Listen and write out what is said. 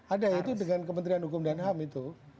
ada itu dengan kementerian hukum dan ham itu